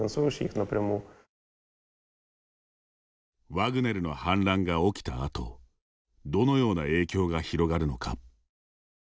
ワグネルの反乱が起きたあとどのような影響が広がるのか。